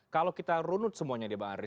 kalau kita runut semuanya ya bang andre